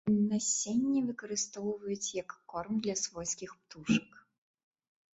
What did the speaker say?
Насенне выкарыстоўваюць як корм для свойскіх птушак.